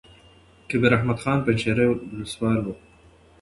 کبیر احمد خان پنجشېري ولسوال وو.